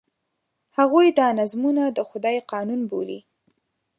هغوی دا نظمونه د خدای قانون بولي.